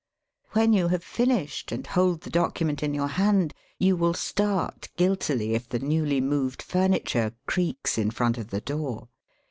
When you have finished and hold the document in your hand, you will start guiltily if the newly moved furniture creaks in front of the door.